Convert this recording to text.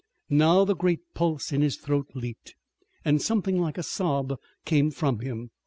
Now the great pulse in his throat leaped, and something like a sob came from him.